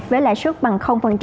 với lãi suất bằng